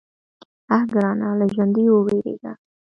_اه ګرانه! له ژونديو ووېرېږه.